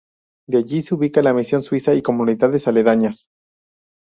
De allí se ubica la misión Suiza y comunidades aledañas.